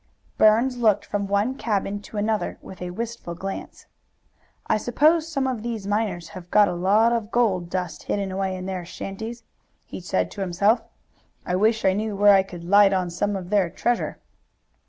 Burns looked from one cabin to another with a wistful glance. "I suppose some of these miners have got a lot of gold dust hidden away in their shanties," he said to himself. "I wish I knew where I could light on some of their treasure."